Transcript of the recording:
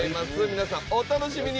皆さんお楽しみに！